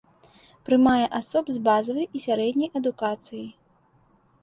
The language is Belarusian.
Прымае асоб з базавай і сярэдняй адукацыяй.